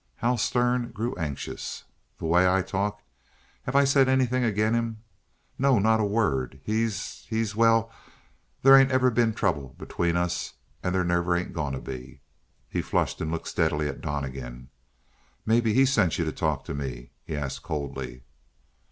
Hal Stern grew anxious. "The way I talk? Have I said anything agin' him? Not a word! He's he's well, there ain't ever been trouble between us and there never ain't going to be." He flushed and looked steadily at Donnegan. "Maybe he sent you to talk to me?" he asked coldly.